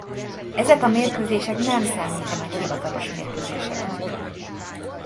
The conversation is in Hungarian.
Ezek a mérkőzések nem számítanak hivatalos mérkőzéseknek.